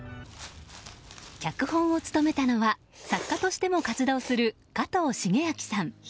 脚本を務めたのは作家としても活動する加藤シゲアキさん。